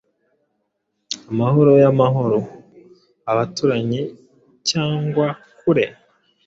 Amahoro yamahoro, abaturanyi cyangwa kure,